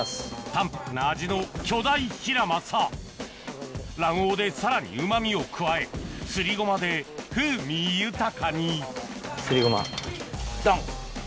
淡泊な味の巨大ヒラマサ卵黄でさらにうまみを加えすりごまで風味豊かにすりごまドン！